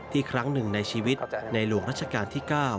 ครั้งหนึ่งในชีวิตในหลวงรัชกาลที่๙